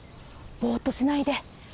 ボッとしないで！